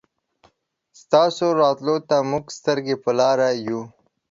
ستاسو راتلو ته مونږ سترګې په لار يو